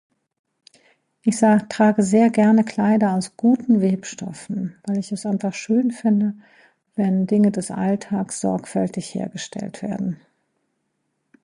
Ich sag trage sehr gerne Kleider aus guten Webstoffen, weil ich es einfach schön finde, wenn Dinge des Alltags sorgfältig hergestellt werden.